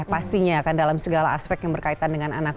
pastinya kan dalam segala aspek yang berkaitan dengan anak